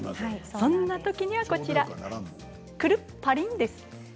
そんなときにはこちらくるっパリンッ！です。